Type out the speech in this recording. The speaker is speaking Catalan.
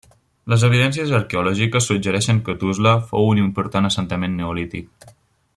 Les evidències arqueològiques suggereixen que Tuzla fou un important assentament neolític.